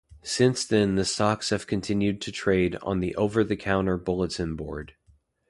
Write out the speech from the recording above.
Since then the stocks have continued to trade on the Over-the-Counter Bulletin Board.